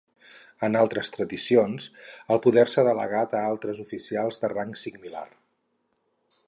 En altres tradicions, el poder s'ha delegat a altres oficials de rang similar.